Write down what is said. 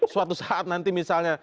suatu saat nanti misalnya